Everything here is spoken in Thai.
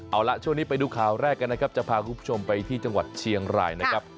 เอาล่ะช่วงนี้ไปดูข่าวแรกกันนะครับจะพาคุณผู้ชมไปที่จังหวัดเชียงรายนะครับ